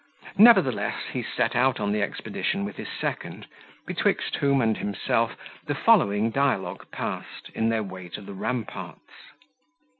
Nevertheless, he set out on the expedition with his second, betwixt whom and himself the following dialogue passed, in their way to the ramparts.